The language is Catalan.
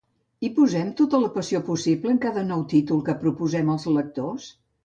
Hi posem tota la passió possible en cada nou títol que proposem als lectors?